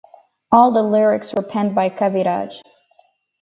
All the lyrics were penned by Kaviraj.